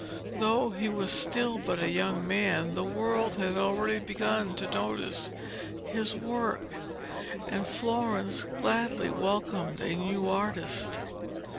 Though he was still but a young man, the world had already begun to notice his work, and Florence gladly welcomed a new artist.